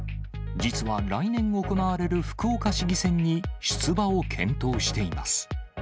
実は来年行われる福岡市議選に、出馬を検討しています。